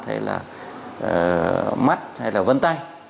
hay là mắt hay là vân tay